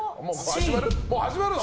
もう始まるの？